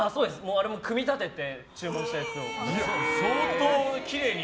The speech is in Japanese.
あれも組み立てて注文したやつを。